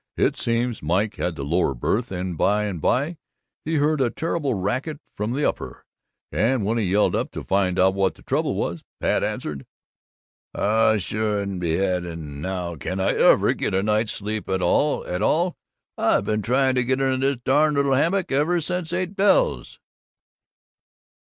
It seems Mike had the lower berth and by and by he heard a terrible racket from the upper, and when he yelled up to find out what the trouble was, Pat answered, "Shure an' bedad an' how can I ever get a night's sleep at all, at all? I been trying to get into this darned little hammock ever since eight bells!"